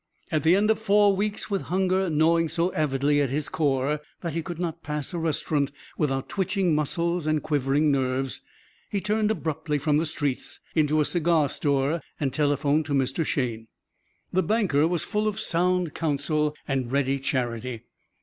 At the end of four weeks, with hunger gnawing so avidly at his core that he could not pass a restaurant without twitching muscles and quivering nerves, he turned abruptly from the street into a cigar store and telephoned to Mr. Shayne. The banker was full of sound counsel and ready charity.